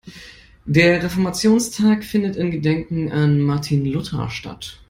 Der Reformationstag findet in Gedenken an Martin Luther statt.